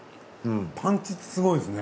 パンチすごいですね。